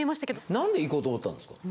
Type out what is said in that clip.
なんで行こうと思ったんですか？